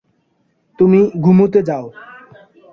তুমি ঘুমুতে যাও।